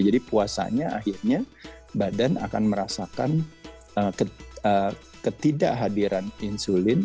jadi puasanya akhirnya badan akan merasakan ketidakhadiran insulin